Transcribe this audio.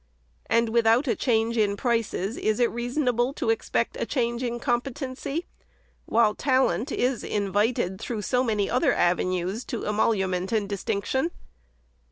And, without a change in prices, is it reasonable to expect a change in competency, while talent is invited, through so many other avenues, to emolument and distinction